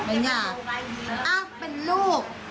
แล้วบอก